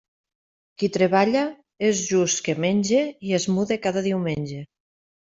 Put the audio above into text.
Qui treballa, és just que menge i es mude cada diumenge.